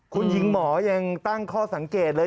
คุณหญิงหมอยังตั้งข้อสังเกตเลย